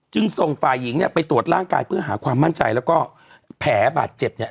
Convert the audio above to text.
ส่งฝ่ายหญิงเนี่ยไปตรวจร่างกายเพื่อหาความมั่นใจแล้วก็แผลบาดเจ็บเนี่ย